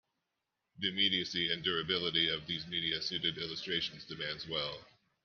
The immediacy and durability of these media suited illustration's demands well.